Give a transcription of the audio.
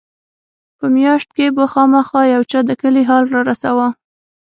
په مياشت کښې به خامخا يو چا د کلي حال رارساوه.